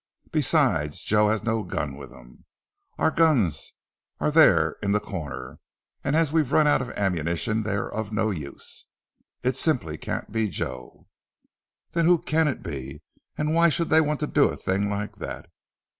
Besides, Joe had no gun with him. Our guns are there in the corner, and as we've run out of ammunition they are no use. It simply can't be Joe." "Then who can it be? And why should he want to do a thing like that?"